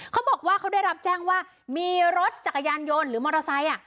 เขาบอกว่าเขาได้รับแจ้งว่ามีรถจักรยานยนต์หรือมอเตอร์ไซค์